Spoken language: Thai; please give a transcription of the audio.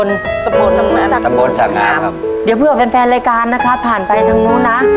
ทับผลไม้เยอะเห็นยายบ่นบอกว่าเป็นยังไงครับ